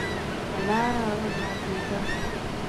پر لار زنګېدم.